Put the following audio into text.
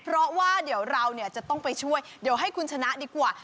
เพราะว่าเดี๋ยวเราเนี่ยจะต้องไปช่วยเดี๋ยวให้คุณชนะดีกว่า